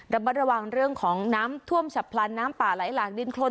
ระมัดระวังเรื่องของน้ำท่วมฉับพลันน้ำป่าไหลหลากดินโครน